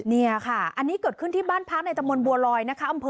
เนี่ยค่ะอันนี้เกิดขึ้นที่บ้านพักในตะมนต์บัวลอยนะคะ